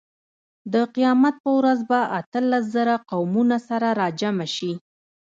د قیامت په ورځ به اتلس زره قومونه سره راجمع شي.